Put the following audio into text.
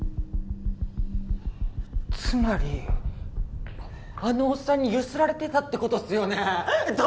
つまりあのおっさんにゆすられてたってことっすよね？